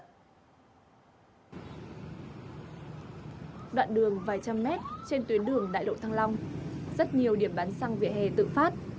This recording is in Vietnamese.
đoạn đường vài trăm mét trên tuyến đường đại lộ thăng long rất nhiều điểm bán xăng về hè tự phát